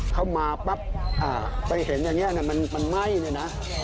เข้ามาปั๊บไปเห็นอย่างนี้มันไหม้เนี่ยนะ